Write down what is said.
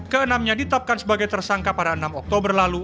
keenamnya ditapkan sebagai tersangka pada enam oktober lalu